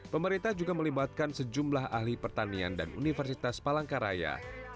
pemerintah juga melibatkan sejumlah ahli pertanian dan universitas palangkaraya